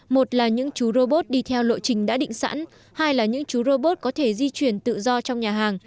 một là những chú robot đi theo lộ trình đã định sẵn hai là những chú robot có thể di chuyển tự do trong nhà hàng